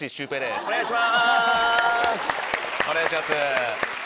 お願いします！